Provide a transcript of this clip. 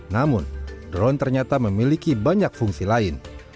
namun drone ternyata memiliki banyak fungsi lain